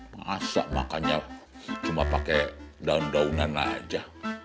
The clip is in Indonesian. masa makannya cuma pakai daun daunan aja